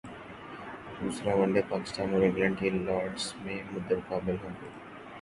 دوسرا one day Pakistan اور England کل لارڈز میں مدمقابل ہونگے